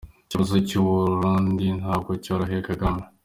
Ikibazo cy’ Uburundi ntabwo Cyoroheye Kagame